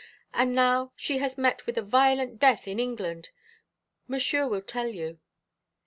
And now she has met with a violent death in England. Monsieur will tell you."